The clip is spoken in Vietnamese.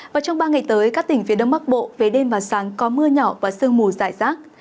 và trong ba ngày tới các tỉnh phía đông bắc bộ về đêm và sáng có mưa nhỏ và sương mù dài rác